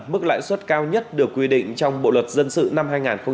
mức lãi suất cao nhất được quy định trong bộ luật dân sự năm hai nghìn một mươi năm